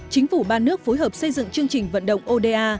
chính phủ ba nước phối hợp xây dựng chương trình vận động oda